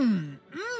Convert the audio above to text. うん！